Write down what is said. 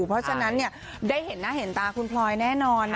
เพราะฉะนั้นได้เห็นหน้าเห็นตาคุณพลอยแน่นอน